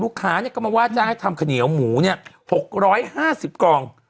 ลูกค้านี้ก็มาไว้จ้างให้ทำเขนียวหมูเนี่ยหกร้อยห้าสิบกล่อง